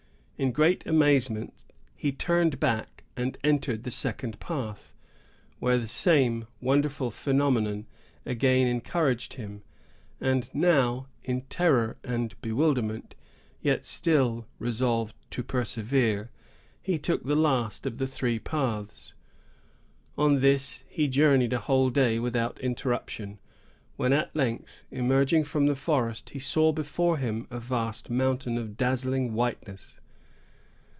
In great amazement, he turned back, and entered the second path, where the same wonderful phenomenon again encountered him; and now, in terror and bewilderment, yet still resolved to persevere, he took the last of the three paths. On this he journeyed a whole day without interruption, when at length, emerging from the forest, he saw before him a vast mountain, of dazzling whiteness.